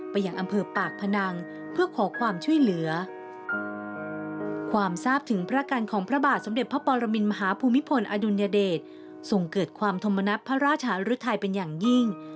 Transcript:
ส่งเกิดความธรรมนับพระราชหรือไทยเป็นอย่างยิ่ง